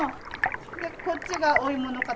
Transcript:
でこっちがお芋の形。